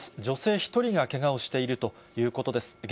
女性１人がけがをしているということです。